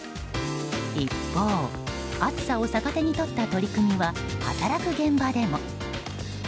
一方、暑さを逆手に取った取り組みは働く現場でも。